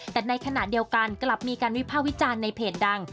แต่ในขณะเดียวกันกลับมีการวิภาควิจารณ์ในเพจดัง